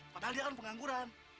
padahal dia kan pengangguran